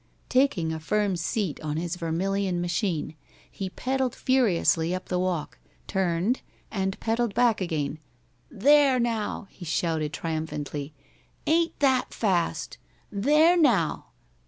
Taking a firm seat on his vermilion machine, he pedalled furiously up the walk, turned, and pedalled back again. "There, now!" he shouted, triumphantly. "Ain't that fast? There, now!"